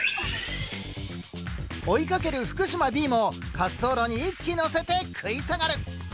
追いかける福島Ｂも滑走路に１機乗せて食い下がる。